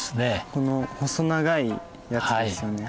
この細長いやつですよね。